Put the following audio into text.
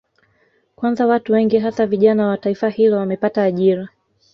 Kwanza watu wengi hasa vijana wa taifa hilo wamepata ajira